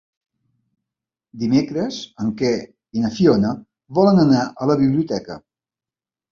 Dimecres en Quer i na Fiona volen anar a la biblioteca.